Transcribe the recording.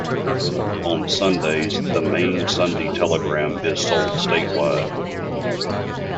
On Sundays, the "Maine Sunday Telegram" is sold statewide.